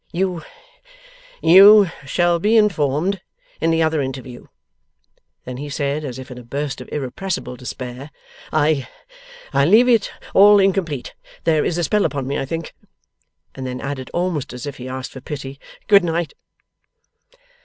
'You you shall be informed in the other interview.' Then he said, as if in a burst of irrepressible despair, 'I I leave it all incomplete! There is a spell upon me, I think!' And then added, almost as if he asked for pity, 'Good night!